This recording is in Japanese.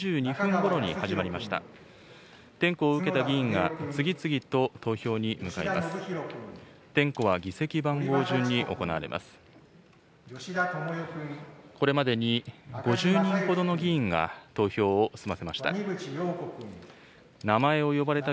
これまでに５０人ほどの議員が投票を済ませました。